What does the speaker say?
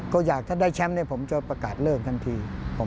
ก็อยากถ้าได้แชมป์ผมจะประกาศเลิกทันที